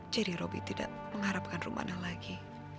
jadi robi tidak mengharapkan romana lagi